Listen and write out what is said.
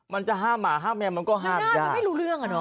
มันจะห้ามหมาห้ามแมวมันก็ห้ามยากไม่รู้เรื่องอ่ะเนอ